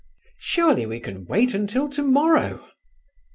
"Surely we can wait until to morrow."